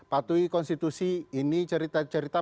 patuhi konstitusi ini cerita cerita